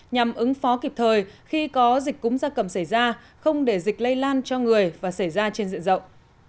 nhằm ứng phó kịp thời khi có dịch cúm gia cầm xảy ra không để dịch lây lan cho người và xảy ra trên diện rộng